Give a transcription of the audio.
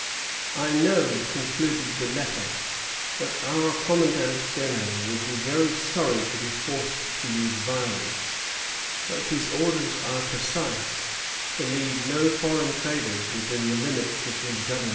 "I know," concluded the letter, "that our Commandant General would be very sorry to be forced to use violence; but his orders are precise, to leave no foreign traders within the limits of his government."